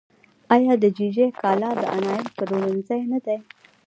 آیا دیجیجی کالا د انلاین پلورنځی نه دی؟